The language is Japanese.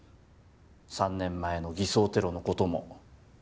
３年前の偽装テロのことも。